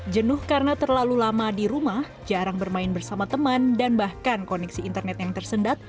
jenuh karena terlalu lama di rumah jarang bermain bersama teman dan bahkan koneksi internet yang tersendat